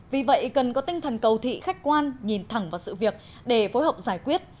vì vậy cần có tinh thần cầu thị khách quan nhìn thẳng vào sự việc để phối hợp giải quyết